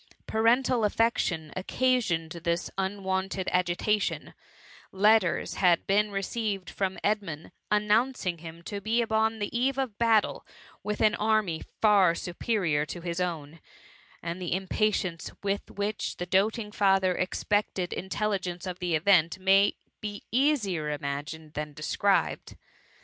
Parental affection occasioned this unwonted agitation ; letters had been received from Edmundy annoimcing him to be upon the eve of battle with an army far superior to his own, and the impatience with which the doat ing father expected intelligence of the event, may be easier imagined than described.